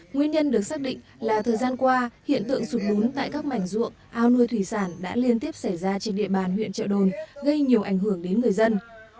nguyên nhân được xác định là thời gian qua hiện tượng sụt lún tại các mảnh ruộng ao nuôi thủy sản đã liên tiếp xảy ra trên địa bàn huyện trợ đồn gây nhiều ảnh hưởng đến người dân